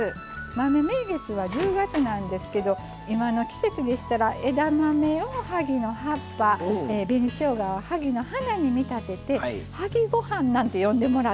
豆名月は１０月なんですけど今の季節でしたら枝豆を萩の葉っぱ紅しょうがを萩の花に見立てて萩ご飯なんて呼んでもらっても小粋かなと思います。